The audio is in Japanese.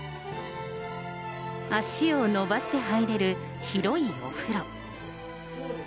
足を伸ばして入れる、広いお風呂。